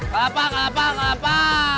lapa kelapa kelapa